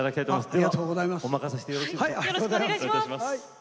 ありがとうございます。